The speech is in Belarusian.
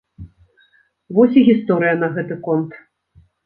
Вось і гісторыя на гэты конт.